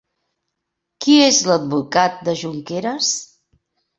Qui és l'advocat de Junqueras?